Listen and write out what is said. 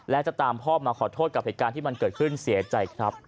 และจะตามพ่อมาขอโทษกับเหตุการณ์ที่มันเกิดขึ้นเสียใจครับ